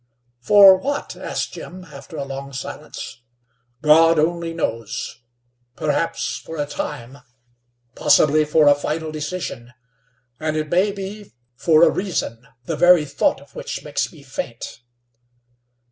"For what?" asked Jim, after a long silence. "God only knows! Perhaps for a time; possibly for a final decision, and, it may be, for a reason, the very thought of which makes me faint."